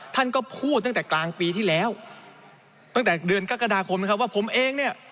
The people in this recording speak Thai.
ท่านก็พูดตั้งแต่กลางปีที่แล้วตั้งแต่เดือนกรกฎาคมนะครับว่าผมเองเนี่ย